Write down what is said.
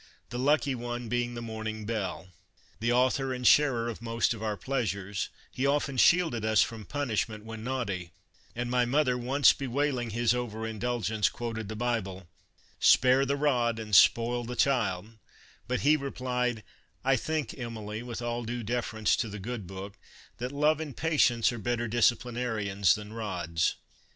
" the lucky one being the morning belle. The author and sharer of most of our pleasures, he often shielded us from punishment when naughty, and my mother once bewailing his over indulgence, quoted the Bible :" Spare the rod and spoil the child," but he replied: " I think, Emily, with all due deference to the Good Book, that love and patience are better disciplinarians than rods."